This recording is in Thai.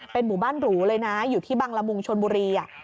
หมู่บ้านหรูเลยนะอยู่ที่บังละมุงชนบุรี